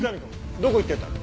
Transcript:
どこ行ってたの？